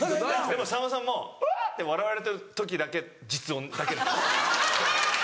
でもさんまさんもハァ！って笑われてる時だけ実音だけに。